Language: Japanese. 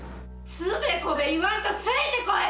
つべこべ言わんとついて来い！